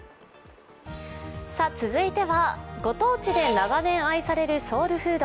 続いてはご当地で長年愛されるソウルフード。